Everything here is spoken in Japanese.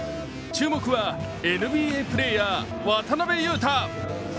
注目はＮＢＡプレーヤー・渡邊雄太。